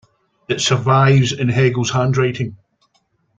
It survives in Hegel's handwriting.